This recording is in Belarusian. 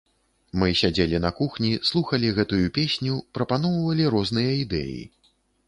Мы сядзелі на кухні, слухалі гэтую песню, прапаноўвалі розныя ідэі.